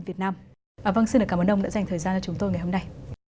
vâng xin cảm ơn ông đã dành thời gian cho chúng tôi ngày hôm nay